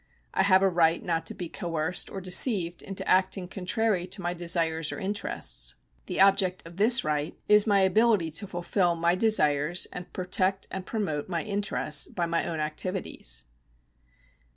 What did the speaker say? I have a right not to be coerced or deceived into acting contrary to my desires or interests ; the object of this right is my ability to fulfil my desires and protect and promote my interests by my own activities.